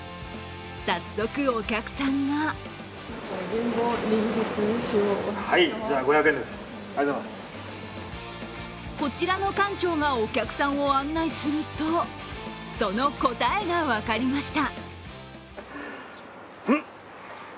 早速、お客さんがこちらの館長がお客さんを案内すると、その答えが分かりました。